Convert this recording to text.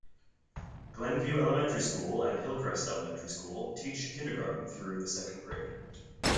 Glen View Elementary School and Hillcrest Elementary School teach kindergarten through the second grade.